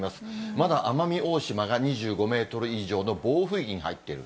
まだ奄美大島が２５メートル以上の暴風域に入っている。